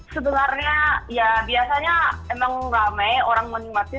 sebenarnya ya biasanya emang rame orang menikmati